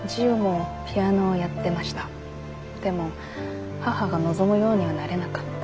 でも母が望むようにはなれなかった。